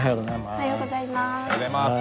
おはようございます。